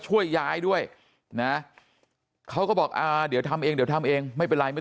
ช่วยย้ายด้วยนะเขาก็บอกอ่าเดี๋ยวทำเองเดี๋ยวทำเองไม่เป็นไรไม่